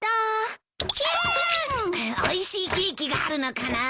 おいしいケーキがあるのかな？